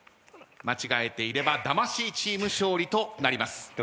間違えていれば魂チーム勝利となります。